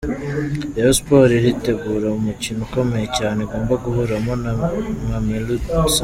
Rayon Sports iritegura umukino ukomeye cyane igomba guhuramo na Mammelodie Sundowns.